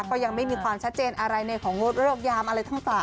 ก็ยังไม่มีความชัดเจนอะไรในของงดเริกยามอะไรทั้งต่าง